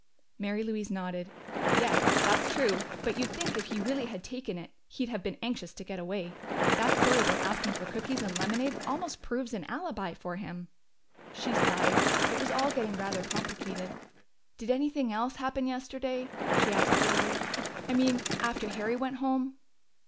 Mary Louise nodded. "Yes, that's true. But you'd think if he really had taken it he'd have been anxious to get away. That story about asking for cookies and lemonade almost proves an alibi for him." She sighed; it was all getting rather complicated. "Did anything else happen yesterday?" she asked wearily. "I mean, after Harry went home?"